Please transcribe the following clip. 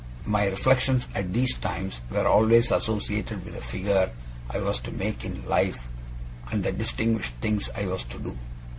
My reflections at these times were always associated with the figure I was to make in life, and the distinguished things I was to do.